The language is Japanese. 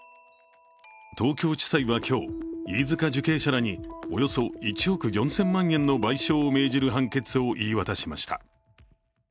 東京地裁は今日、飯塚受刑者らにおよそ１億４０００万円の賠償を命じる判決を言い渡しました。